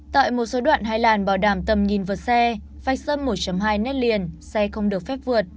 tại một số đoạn hai làn bảo đảm tầm nhìn vượt xe vạch sâm một hai mét liền xe không được phép vượt